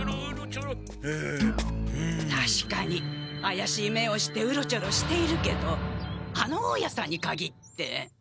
あやしい目をしてうろちょろしているけどあの大家さんにかぎって。